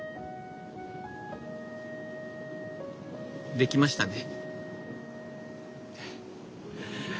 できましたね。